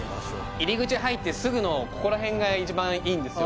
入り口入ってすぐのここら辺が一番いいんですよ